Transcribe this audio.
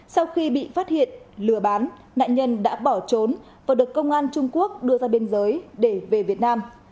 sau khi bị phát hiện lừa bán nạn nhân đã bỏ trốn và được công an trung quốc đưa ra biên giới để về việt nam